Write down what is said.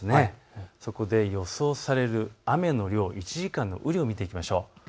そこで予想される雨の量、１時間の雨量を見ていきましょう。